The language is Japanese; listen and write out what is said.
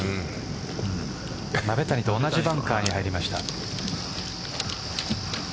鍋谷と同じバンカーに入りました。